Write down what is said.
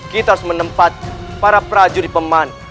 kita harus menempat para prajurit peman